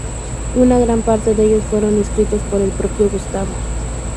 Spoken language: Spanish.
Una gran parte de ellos fueron escritos por el propio Gustavo.